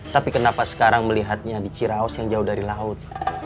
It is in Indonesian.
tapi kenapa sekarang melihatnya di ciraus yang jauh dari laut